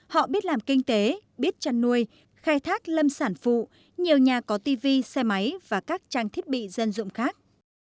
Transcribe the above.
họ biết làm kinh tế biết chăn nuôi khai thác lâm sản phụ nhiều nhà có tv xe máy và các trang thiết bị dân dụng khác